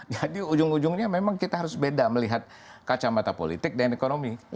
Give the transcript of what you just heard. jadi ujung ujungnya memang kita harus beda melihat kacamata politik dan ekonomi